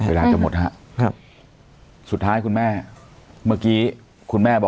เวลาจะหมดครับ